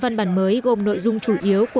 văn bản mới gồm nội dung chủ yếu của